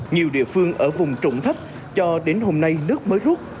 nhiều địa phương ở vùng trụng thấp cho đến hôm nay nước mới rút